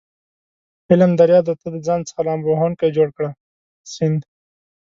علم دریاب دی ته دځان څخه لامبو وهونکی جوړ کړه س